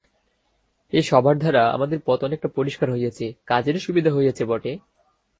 এই সভার দ্বারা আমাদের পথ অনেকটা পরিষ্কার হইয়াছে, কাজেরও সুবিধা হইয়াছে বটে।